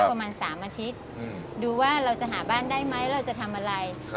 เอ้าประมาณสามอาทิตย์หือดูว่าเราจะหาบ้านได้ไหมเราจะทำอะไรครับ